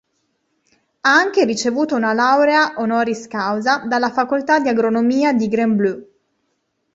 Ha anche ricevuto una laurea "honoris causa" dalla Facoltà di agronomia di Gembloux.